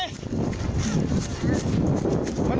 มันรีบขัมไปแล้ว